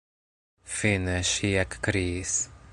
Fine ŝi ekkriis: